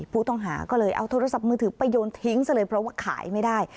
ผู้ต้องหาก็เลยเอาโทรศัพท์มือถือไปโยนทิ้งซะเลยเพราะว่าขายไม่ได้